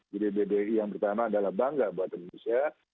jadi bbi yang pertama adalah bangga buatan indonesia